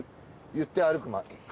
言って歩く回。